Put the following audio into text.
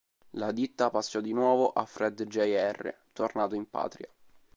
La ditta passò di nuovo a Fred Jr., tornato in patria.